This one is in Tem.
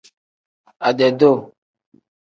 Ade-duu.